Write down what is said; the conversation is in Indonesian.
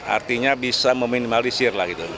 artinya bisa meminimalisir lah gitu